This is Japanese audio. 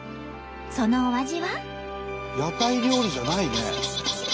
そのお味は。